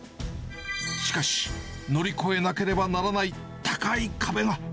しかし、乗り越えなければならない高い壁が。